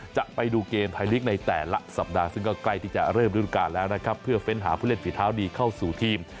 จะไปดูเกมไทยลีกในแต่ละสัปดาห์ซึ่งก็ใกล้ที่จะเริ่มรุ่นการแล้วนะครับเพื่อเฟ้นหาผู้เล่นฝีเท้าดีเข้าสู่ทีม